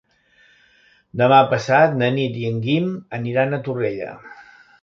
Demà passat na Nit i en Guim aniran a Torrella.